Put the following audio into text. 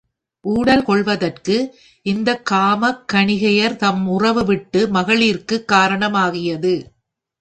ஊடல் கொள்வதற்கு இந்தக் காமக் கணிகையர்தம் உறவு விட்டு மகளிர்க்குக் காரணம் ஆகியது.